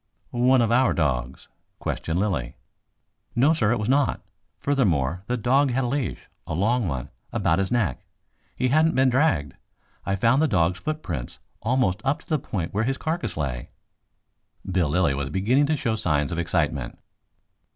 "One of our dogs?" questioned Lilly. "No, sir, it was not. Furthermore, the dog had a leash, a long one, about his neck. He hadn't been dragged. I found the dog's footprints almost up to the point where his carcass lay." Bill Lilly was beginning to show signs of excitement.